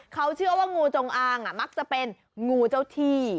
เขาเชื่อว่างูจงอางมักจะเป็นงูเจ้าที่